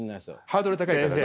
ハードル高いから。